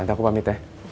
nanti aku pamit ya